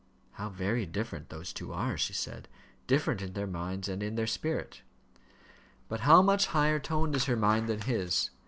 "How very different those two are," she said; "different in their minds and in their spirit!" "But how much higher toned is her mind than his!